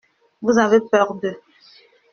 Vous avez peur d’eux ?